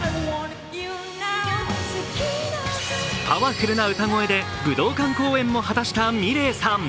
パワフルな歌声で武道館公演も果たしたｍｉｌｅｔさん。